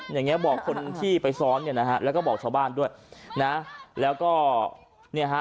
อย่างเงี้บอกคนที่ไปซ้อนเนี่ยนะฮะแล้วก็บอกชาวบ้านด้วยนะแล้วก็เนี่ยฮะ